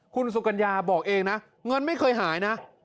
คุณสุกัญญาบอกเองนะเงินไม่เคยหายนะ